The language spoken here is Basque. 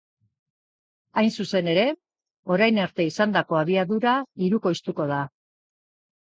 Hain zuzen ere, orain arte izandako abiadura hirukoiztuko da.